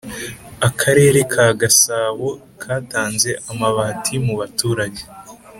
Akarere kagasabo katanze amabati mubaturage